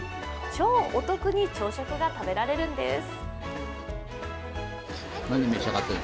超お得に朝食が食べられるんです。